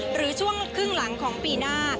หรือช่วงครึ่งหลังของปีหน้า